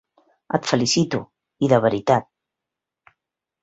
Et felicito, i de veritat.